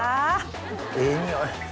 ええ匂い。